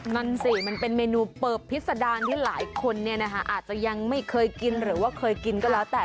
นั่นสิมันเป็นเมนูเปิบพิษดารที่หลายคนอาจจะยังไม่เคยกินหรือว่าเคยกินก็แล้วแต่